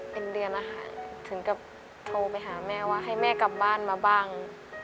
เป็นเดือนนะคะถึงกับโทรไปหาแม่ว่าให้แม่กลับบ้านมาบ้าง